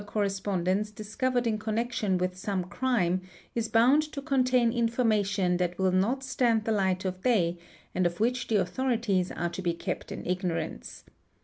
correspond ence discovered in connection with some crime is bound to contain information that will not stand the light of day and of which the authorities are to be kept in ignorance.